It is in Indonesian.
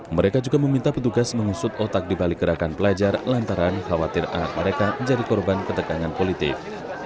mereka juga meminta petugas mengusut otak di balik gerakan pelajar lantaran khawatir anak mereka menjadi korban ketegangan politik